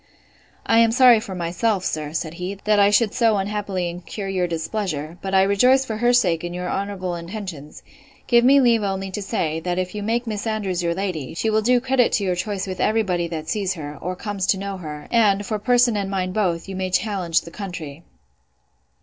I am sorry for myself, sir, said he, that I should so unhappily incur your displeasure; but I rejoice for her sake in your honourable intentions: give me leave only to say, that if you make Miss Andrews your lady, she will do credit to your choice with every body that sees her, or comes to know her; and, for person and mind both, you may challenge the county.